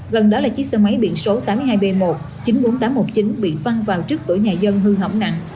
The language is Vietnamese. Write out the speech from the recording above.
gần đó là chiếc xe máy biển số tám mươi hai b một chín mươi bốn nghìn tám trăm một mươi chín bị văng vào trước cửa nhà dân hư hỏng nặng